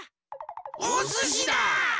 おすしだ！